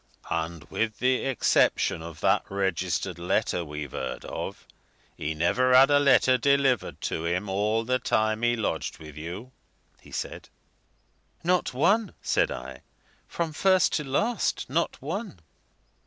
"And with the exception of that registered letter we've heard of, he never had a letter delivered to him all the time he lodged with you?" he said. "Not one," said I. "From first to last, not one."